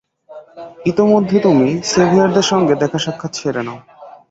ইতোমধ্যে তুমি সেভিয়ারদের সঙ্গে দেখাসাক্ষাৎ সেরে নাও।